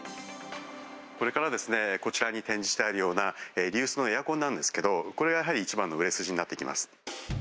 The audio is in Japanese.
これから、こちらに展示してあるような、リユースのエアコンなんですけれども、これがやはり一番の売れ筋になってきます。